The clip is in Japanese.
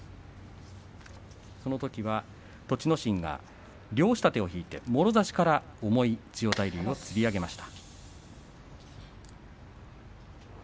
そのときは栃ノ心が両下手を引いてもろ差しから重い千代大龍をつり上げました。